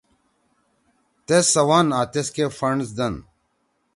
تیس سَون آں تیس کے فنڈز دن۔